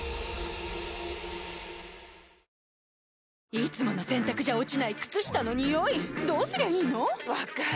いつもの洗たくじゃ落ちない靴下のニオイどうすりゃいいの⁉分かる。